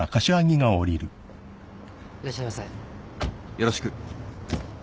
よろしく。